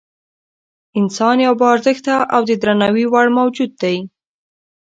انسان یو با ارزښته او د درناوي وړ موجود دی.